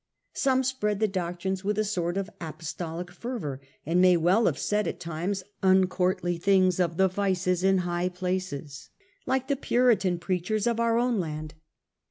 Some spread the doctrines with a sort of apostolic fervour, and may well have said at times uncourtly things of the vices in high places, like the Puritan preachers of our own land.